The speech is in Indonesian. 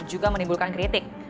juga menimbulkan kritik